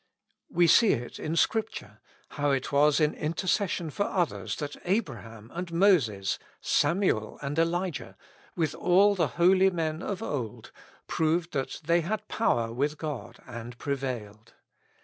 We see it in Scripture, how it was in intercession for others that Abraham and Moses, Samuel and Elijah, with all the holy men of old, proved that they had power with God and prevailed.